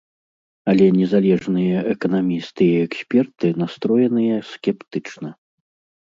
Але незалежныя эканамісты і эксперты настроеныя скептычна.